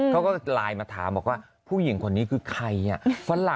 เขาก็ใาร์มาถามก็มองว่าผู้หญิงคนนี้คือใคร